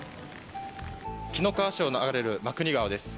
紀の川市を流れる真国川です。